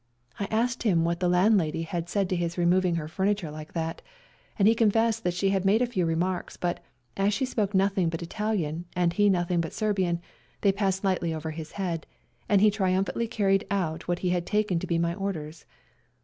I asked him what the land lady had said to his removing her furniture like that, and he confessed that she had made a few remarks, but, as she spoke nothing but Italian and he nothing but Serbian, they passed lightly over his head, and he triumphantly carried out what he had taken to be my orders.